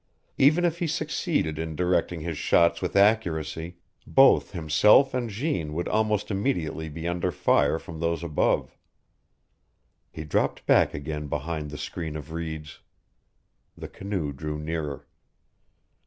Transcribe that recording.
Even if he succeeded in directing his shots with accuracy, both himself and Jeanne would almost immediately be under fire from those above. He dropped back again behind the screen of reeds. The canoe drew nearer.